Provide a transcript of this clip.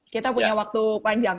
kita punya waktu panjang